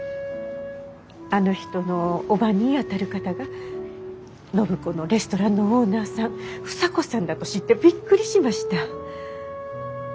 あの人の叔母にあたる方が暢子のレストランのオーナーさん房子さんだと知ってびっくりしました。